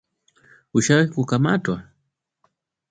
Ushawahi kukamatwa?